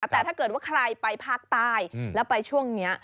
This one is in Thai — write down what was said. แต่ถ้าเกิดว่าใครไปภาคใต้แล้วไปช่วงนี้